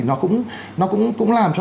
nó cũng làm cho